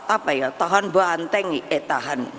apa ya tahan banteng eh tahan